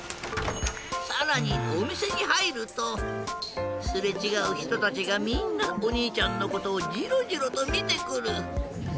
さらにおみせにはいるとすれちがうひとたちがみんなおにいちゃんのことをジロジロとみてくる。